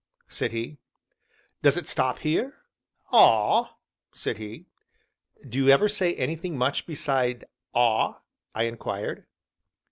said he. "Does it stop here?" "Ah!" said he. "Do you ever say anything much beside 'ah'?" I inquired.